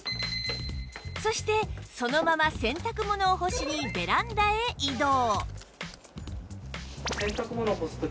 そしてそのまま洗濯物を干しにベランダへ移動